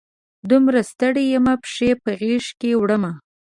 دومره ستړي یمه، پښې په غیږ کې وړمه